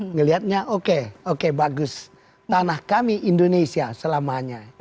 ngelihatnya oke oke bagus tanah kami indonesia selamanya